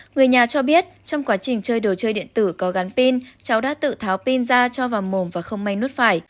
người nhà cho biết trong quá trình chơi đồ chơi điện tử có gắn pin cháu đã tự tháo pin ra cho vào mồm và không may nuốt phải